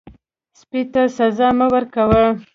سپي ته سزا مه ورکوئ.